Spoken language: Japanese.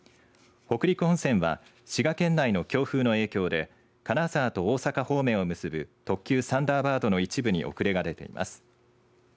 北陸本線は滋賀県内の強風の影響で金沢と大阪方面を結ぶ特急サンダーバードの一部に遅れが出ています。